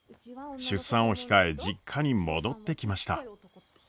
出産を控え実家に戻ってきました。